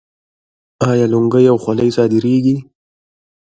آیا لونګۍ او خولۍ صادریږي؟